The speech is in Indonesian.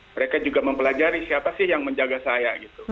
mereka juga mempelajari siapa sih yang menjaga saya gitu